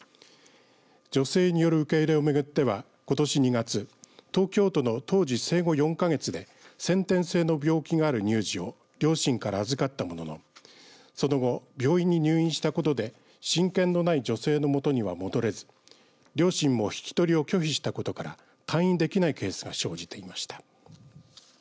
女性による受け入れを巡ってはことし２月東京都の当時生後４か月で先天性の病気がある乳児を両親から預かったもののその後、病院に入院したことで親権のない女性の元には戻れず両親も引き取りを拒否したことから退院できないケースが生じていました。